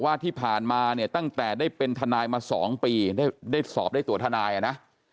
ว่าที่ผ่านมาเนี่ยตั้งแต่ได้เป็นทนายมา๒ปีได้สอบได้ตัวทนายอ่ะนะ